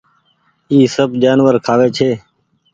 اي سب جآنور کآوي ڇي۔